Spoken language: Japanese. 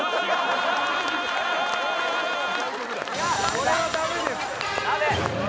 これは駄目です。